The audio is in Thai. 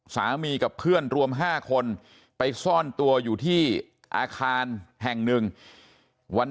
กับเพื่อนรวม๕คนไปซ่อนตัวอยู่ที่อาคารแห่งหนึ่งวัน